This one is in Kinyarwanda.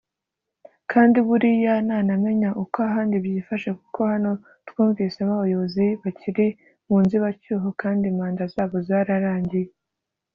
kandi buriya nanamenye uko ahandi byifashe kuko hano twumvisemo abayobozi bakiri mu nzibacyuho kandi manda zabo zararangiye